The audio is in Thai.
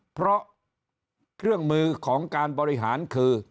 เพราะเครื่องมือของการบริหารคือ